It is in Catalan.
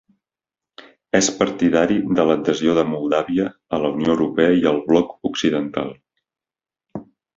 És partidari de l'adhesió de Moldàvia a la Unió Europea i al bloc occidental.